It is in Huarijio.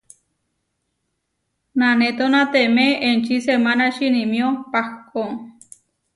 Nanétonatemé enči semánači inimió pahkó.